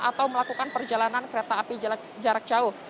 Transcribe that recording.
atau melakukan perjalanan kereta api jarak jauh